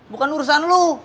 bukan urusan lo